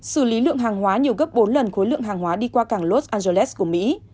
cùng gấp bốn lần khối lượng hàng hóa đi qua cảng los angeles của mỹ